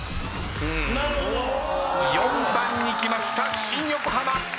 ４番に来ました新横浜。